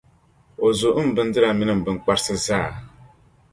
o zu m bindira mini m binkparisi zaa.